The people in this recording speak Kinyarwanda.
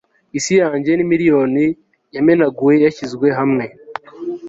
isi yanjye ni miriyoni yamenaguwe yashyizwe hamwe